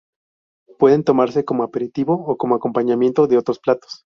Pueden tomarse como aperitivo o como acompañamiento de otros platos.